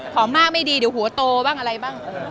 มากไม่ดีเดี๋ยวหัวโตบ้างอะไรบ้าง